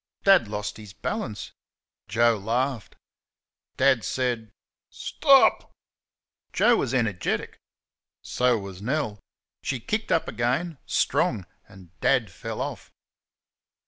Dad lost his balance. Joe laughed. Dad said, "St o op!" Joe was energetic. So was Nell. She kicked up again strong and Dad fell off.